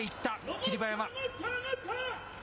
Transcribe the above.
霧馬山。